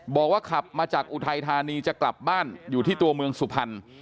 บอกว่าขับมาจากอุทัยธานีจะกลับบ้านอยู่ที่ตัวเมืองสุพรรณ